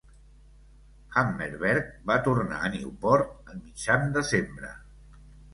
Hammerberg va tornar a Newport a mitjan desembre.